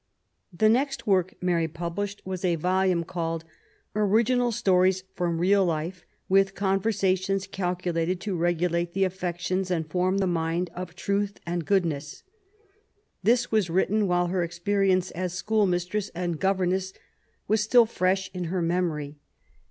The next work Mary published was a volume called Original Stories from Real Life ; with Conversations calculated to regulate the Affections and form the Mind to Truth and Goodness. This was written while her experience as school mistress and governess was still fresh in her memory.